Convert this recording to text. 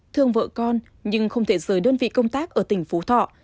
thương vợ con nhưng không thể rời đơn vị công tác ở tỉnh phú thọ